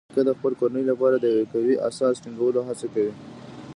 نیکه د خپل کورنۍ لپاره د یو قوي اساس ټینګولو هڅه کوي.